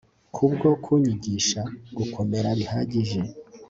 kubwo kunyigisha gukomera bihagije